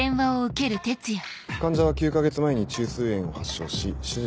患者は９か月前に虫垂炎を発症し手術。